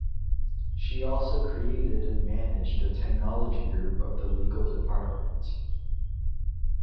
She also created and managed the Technology Group of the Legal Department.